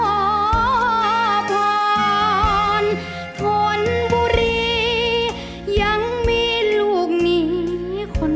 รุ่นดนตร์บุรีนามีดังใบปุ่ม